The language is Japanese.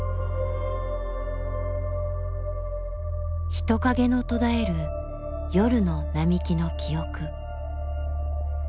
人影の途絶える夜の並木の記憶。